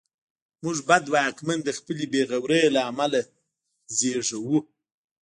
موږ بد واکمن د خپلې بېغورۍ له امله زېږوو.